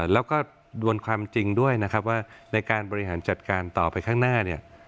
แล้วก็ดวนความจริงด้วยนะครับว่าในการบริหารจัดการต่อไปข้างหน้าเนี่ย